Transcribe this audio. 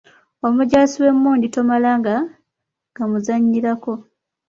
Omujaasi ow’emmundu tomalanga gamuzannyirako.